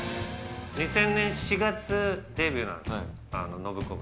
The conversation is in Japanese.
２０００年４月デビューなの、ノブコブ。